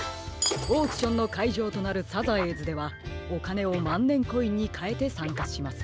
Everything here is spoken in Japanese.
オークションのかいじょうとなるサザエーズではおかねをまんねんコインにかえてさんかします。